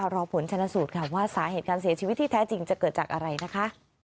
รอผลชนะสูตรค่ะว่าสาเหตุการเสียชีวิตที่แท้จริงจะเกิดจากอะไรนะคะ